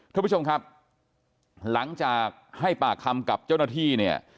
ท่านผู้ชมครับหลังจากให้ปากคำกับเจ้าหน้าที่เนี่ย